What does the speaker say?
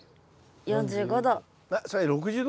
４５度。